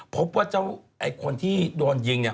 พบว่าเจ้าไอ้คนที่โดนยิงเนี่ย